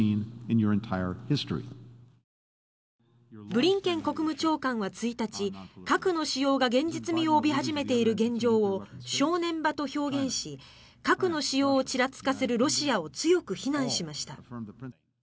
ブリンケン国務長官は１日核の使用が現実味を帯び始めている現状を正念場と表現し核の使用をちらつかせるロシアを強く非難しました。